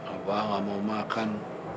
abah gak mau makan